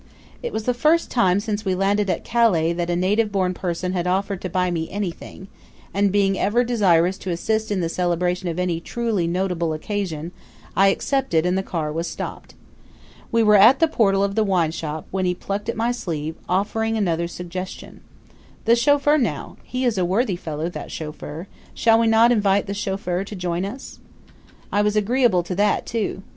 It was the first time since we landed at Calais that a native born person had offered to buy anything, and, being ever desirous to assist in the celebration of any truly notable occasion, I accepted and the car was stopped. We were at the portal of the wine shop, when he plucked at my sleeve, offering another suggestion: "The chauffeur now he is a worthy fellow, that chauffeur. Shall we not invite the chauffeur to join us?" I was agreeable to that, too.